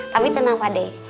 tapi tenang pak de